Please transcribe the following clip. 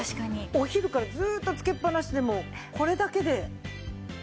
お昼からずっとつけっぱなしでもこれだけで見える。